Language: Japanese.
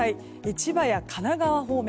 千葉や神奈川方面